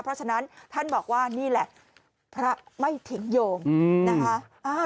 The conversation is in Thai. เพราะฉะนั้นท่านบอกว่านี่แหละพระไม่ทิ้งโยมนะคะ